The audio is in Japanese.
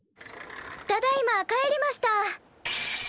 ただいま帰りました。